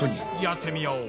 やってみよう。